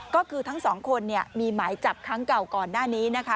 ก็คือทั้งสองคนมีหมายจับครั้งเก่าก่อนหน้านี้นะคะ